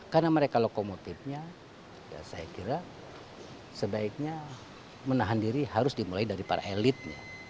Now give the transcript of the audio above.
karena mereka lokomotifnya saya kira sebaiknya menahan diri harus dimulai dari para elitnya